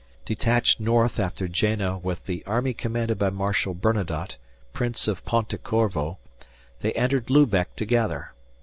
Detached north after Jena with the army commanded by Marshal Bernadotte, Prince of Ponte Corvo, they entered Lubeck together.